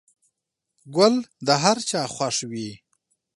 گل د هر چا خوښ وي.